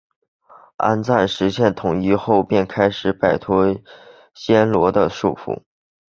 安赞实现统一后便开始摆脱暹罗的束缚。